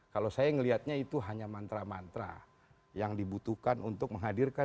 kalau saya melihatnya itu hanya mantra mantra yang dibutuhkan untuk menghadirkan